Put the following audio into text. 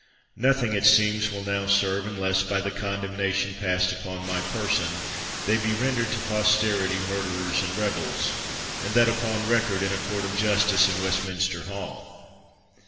Nothing, it seems, will now serve, unless by the condemnation passed upon my person, they be rendered to posterity murderers and rebels, and that upon record in a court of jus tice in Westminster Hall.